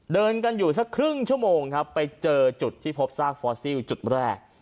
เดินกันอยู่สักครึ่งชั่วโมงครับไปเจอจุดที่พบซากฟอสซิลจุดแรก